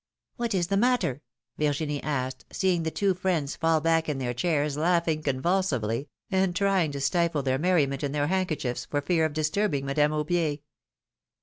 What is the matter ? Virginie asked, seeing the two friends fall back in their chairs laughing convulsively, and trying to stifle their merriment in their handkerchiefs, for fear of disturbing Madame Aubier.